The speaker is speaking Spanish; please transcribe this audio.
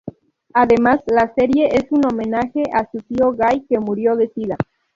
Además la serie es un homenaje a su tío gay que murió de sida.